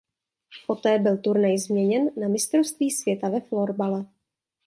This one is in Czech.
Poté byl turnaj změněn na Mistrovství světa ve florbale.